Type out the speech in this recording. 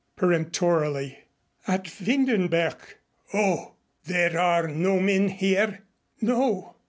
peremptorily. "At Windenberg." "Oh! There are no men here?" "No."